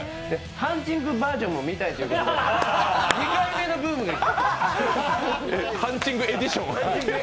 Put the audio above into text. ハンチングバージョンも見たいということで、２回目のブームが来ました。